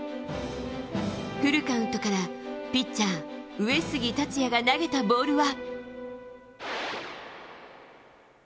フルカウントからピッチャー、上杉達也が投げたボールは。